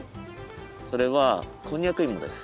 それはこんにゃくいもです。